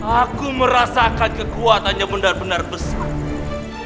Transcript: aku merasakan kekuatannya benar benar besar